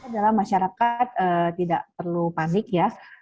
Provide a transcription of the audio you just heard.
dalam masyarakat tidak perlu panik ya